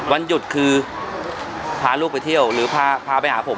วันหยุดคือพาลูกไปเที่ยวหรือพาไปหาผม